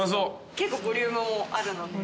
結構ボリュームもあるので。